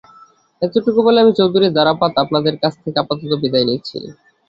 এতটুকু বলে আমি চৌধুরী ধারাপাত আপনাদের কাছ থেকে আপাতত বিদায় নিচ্ছি।